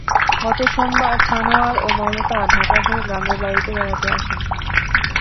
গত সোমবার ছানোয়ার ও মমতা ঢাকা থেকে গ্রামের বাড়িতে বেড়াতে আসেন।